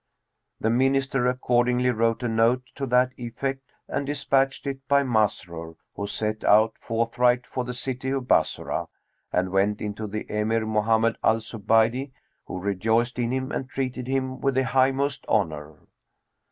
The Minister accordingly wrote a note to that effect and despatched it by Masrur, who set out forthright for the city of Bassorah, and went in to the Emir Mohammed al Zubaydi, who rejoiced in him and treated him with the high most honour.